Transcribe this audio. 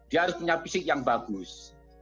dia harus punya fisik yang bagus